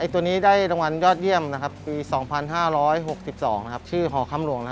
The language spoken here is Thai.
ตัวนี้ได้รางวัลยอดเยี่ยมปี๒๕๖๒ชื่อหอค่ำหลวง